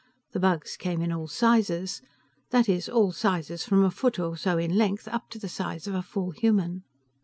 The Bugs came in all sizes, that is all sizes from a foot or so in length up to the size of a full human.